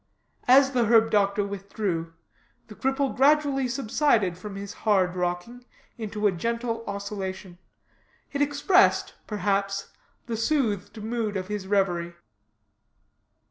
As the herb doctor withdrew, the cripple gradually subsided from his hard rocking into a gentle oscillation. It expressed, perhaps, the soothed mood of his reverie.